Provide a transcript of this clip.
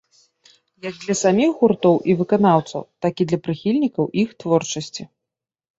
Як для саміх гуртоў і выканаўцаў, так і для прыхільнікаў іх творчасці.